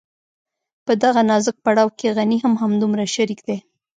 په دغه نازک پړاو کې غني هم همدومره شريک دی.